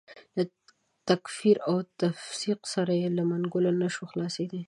له تکفیر او تفسیق سره یې له منګولو نه شو خلاصېدای.